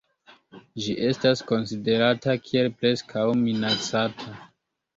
Ĝi estas konsiderata kiel Preskaŭ Minacata.